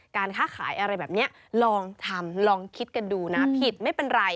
การค้าขายอะไรแบบนี้ลองทำลองคิดกันดูนะผิดไม่เป็นไร